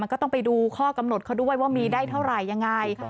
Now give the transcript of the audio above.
ก็ต้องไปดูข้อกำหนดเขาด้วยว่ามีได้เท่าไหร่ยังไง